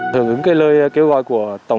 thường ứng cái lời kêu gọi của tổng thống